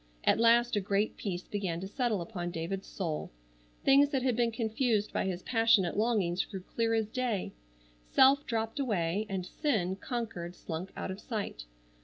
At last a great peace began to settle upon David's soul. Things that had been confused by his passionate longings grew clear as day. Self dropped away, and sin, conquered, slunk out of sight.